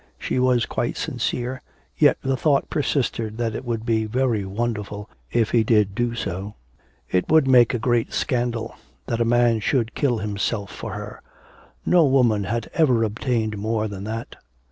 She was quite sincere, yet the thought persisted that it would be very wonderful if he did do so. It would make a great scandal. That a man should kill himself for her! No woman had ever obtained more than that.